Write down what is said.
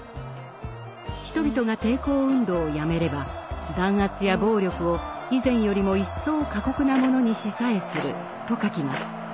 人々が抵抗運動をやめれば「弾圧や暴力を以前よりも一層過酷なものにしさえする」と書きます。